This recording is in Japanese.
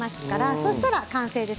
そうしたら完成です。